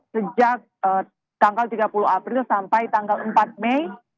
sejak tanggal tiga puluh april sampai tanggal empat mei